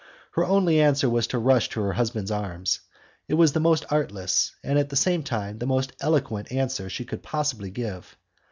Her only answer was to rush to her husband's arms. It was the most artless, and at the same time the most eloquent, answer she could possible give.